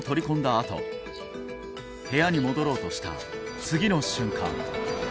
あと部屋に戻ろうとした次の瞬間